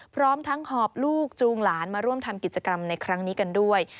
พร้อมทั้งหอบลูกจูงหลานมาร่วมทำกิจกรรมในครั้งนี้กันด้วย